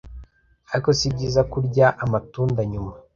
Ariko si byiza kurya amatunda nyuma